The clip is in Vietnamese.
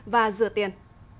và rửa tiền